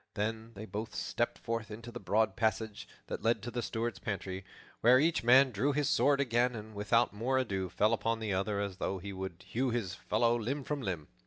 Then they both stepped forth into the broad passage that led to the Steward's pantry, where each man drew his sword again and without more ado fell upon the other as though he would hew his fellow limb from limb.